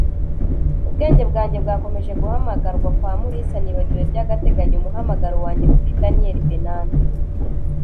Ubwenge bwanjye bwakomeje guhamagarwa kwa Mulisa, nibagiwe by'agateganyo umuhamagaro wanjye kuri Daniel Brennan.